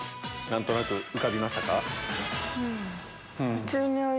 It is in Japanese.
何となく浮かびましたか？